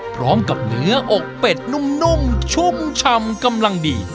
พร้อมกับเนื้ออกเป็ดนุ่มชุ่มชำกำลังดี